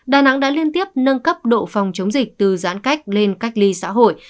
đà nẵng đã liên tiếp nâng cấp độ phòng chống dịch từ giãn cách lên cách ly xã hội